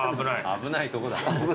危ないとこだ。